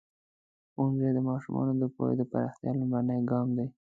ښوونځی د ماشومانو د پوهې د پراختیا لومړنی ګام دی.